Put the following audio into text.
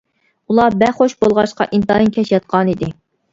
ئۇلار بەك خۇش بولغاچقا ئىنتايىن كەچ ياتقانىدى.